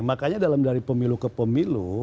makanya dari pemilu ke pemilu